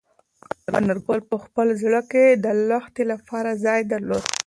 انارګل په خپل زړه کې د لښتې لپاره ځای درلود.